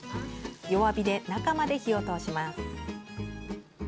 弱火で中まで火を通します。